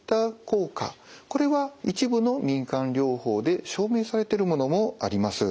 これは一部の民間療法で証明されてるものもあります。